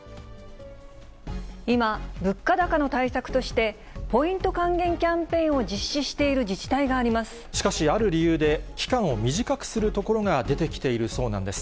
今、物価高の対策としてポイント還元キャンペーンを実施している自治しかしある理由で、期間を短くする所が出てきているそうなんです。